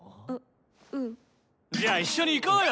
ううん。じゃあ一緒に行こうよ！